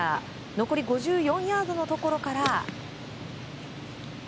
残り５４ヤードのところから。